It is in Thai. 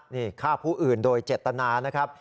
นี่ฆ่าผู้อื่นโดยเจตนานะครับ